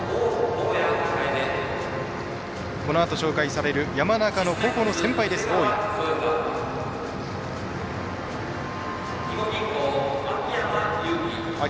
このあと紹介される山中の高校の先輩です、大宅。